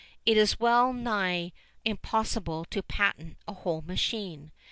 It is well nigh impossible to patent a whole machine.